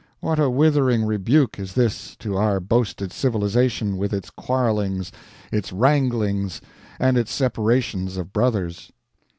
What a withering rebuke is this to our boasted civilization, with its quarrelings, its wranglings, and its separations of brothers!